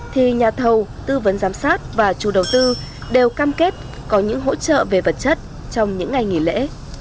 thì nhà thầu tư vấn giám sát và chủ đầu tư đều cam kết có những hỗ trợ về vật chất trong những ngày nghỉ lễ